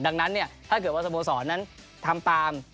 ดังนั้นถ้าเกิดว่าสโมสรนั้นทำตาม